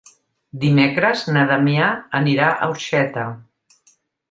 Dimecres na Damià anirà a Orxeta.